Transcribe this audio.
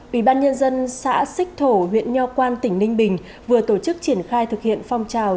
ủy ban nhân dân xã xích thổ huyện nho quan tỉnh ninh bình vừa tổ chức triển khai thực hiện phong trào